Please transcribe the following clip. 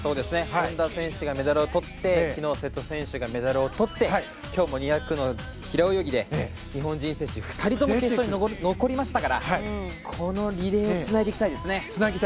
本多選手がメダルをとって昨日、瀬戸選手がメダルをとって今日も２００の平泳ぎで日本人選手２人とも決勝に残りましたからこのリレーつないでいきたいですね。